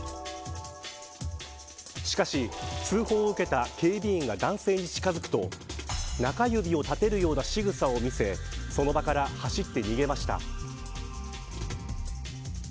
しかし、通報を受けた警備員が男性に近づくと中指を立てるようなしぐさを見せその場から走って逃げました。